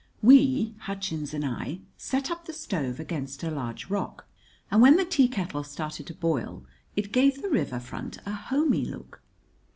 We, Hutchins and I, set up the stove against a large rock, and when the teakettle started to boil it gave the river front a homey look.